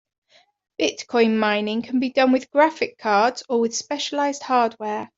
Bitcoin mining can be done with graphic cards or with specialized hardware.